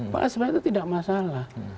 pas banget itu tidak masalah